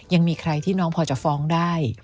ยังมีใครที่น้องพอจะฟ้องได้